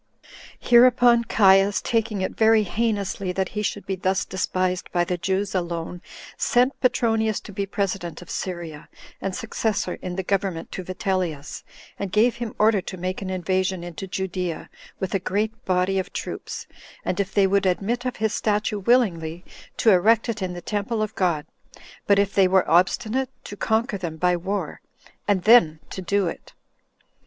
2. Hereupon Caius, taking it very heinously that he should be thus despised by the Jews alone, sent Petronius to be president of Syria, and successor in the government to Vitellius, and gave him order to make an invasion into Judea, with a great body of troops; and if they would admit of his statue willingly, to erect it in the temple of God; but if they were obstinate, to conquer them by war, and then to do it.